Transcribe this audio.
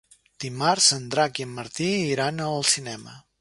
Dimarts en Drac i en Martí iran al cinema.